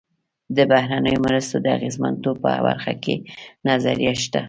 د بهرنیو مرستو د اغېزمنتوب په برخه کې نظریه شته.